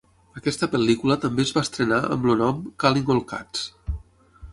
Aquesta pel·lícula també es va estrenar amb el nom "Calling All Cats".